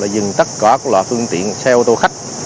dừng tất cả các loại phương tiện xe ô tô khách